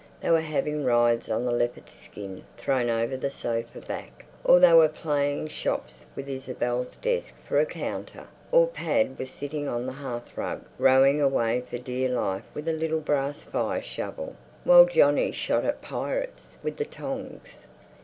They were having rides on the leopard skin thrown over the sofa back, or they were playing shops with Isabel's desk for a counter, or Pad was sitting on the hearthrug rowing away for dear life with a little brass fire shovel, while Johnny shot at pirates with the tongs.